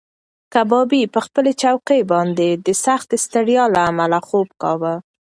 کبابي په خپله چوکۍ باندې د سختې ستړیا له امله خوب کاوه.